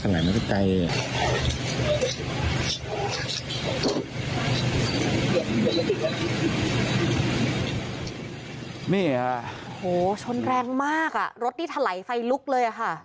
นี่ค่ะโอ้โหชนแรงมากอ่ะรถนี่ถลายไฟลุกเลยค่ะ